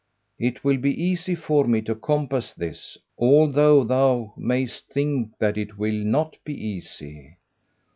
"It will be easy for me to compass this, although thou mayest think that it will not be easy.